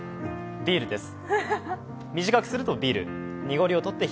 ビールです。